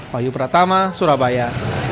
bayu pratama surabaya